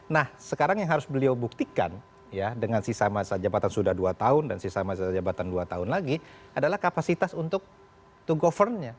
nah sekarang yang harus beliau buktikan ya dengan sisa masa jabatan sudah dua tahun dan sisa masa jabatan dua tahun lagi adalah kapasitas untuk to govern nya